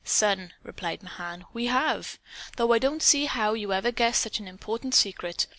"Son," replied Mahan, "we have. Though I don't see how you ever guessed such an important secret.